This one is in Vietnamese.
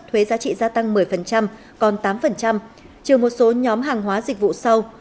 thuế giá trị gia tăng một mươi còn tám trừ một số nhóm hàng hóa dịch vụ sau